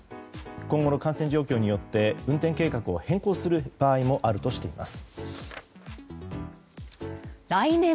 今後の感染状況によって運転計画を変更する場合もあるとしています。